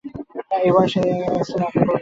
এই বয়সে এসেও স্তনের আকার এতো গোলগাল রেখেছ কীভাবে?